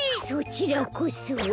そちらこそ。